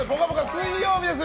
水曜日です。